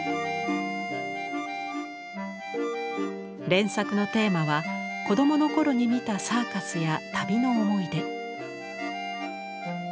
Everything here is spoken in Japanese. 連作のテーマは子どもの頃に見たサーカスや旅の思い出。